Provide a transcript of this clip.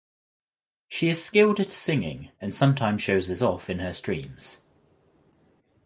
She is skilled at singing and sometimes shows this off in her streams.